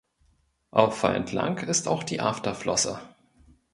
Auffallend lang ist auch die Afterflosse.